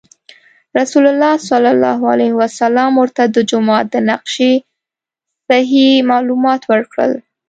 رسول الله صلی الله علیه وسلم ورته د جومات د نقشې صحیح معلومات ورکړل.